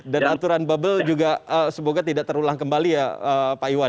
dan aturan bubble juga semoga tidak terulang kembali ya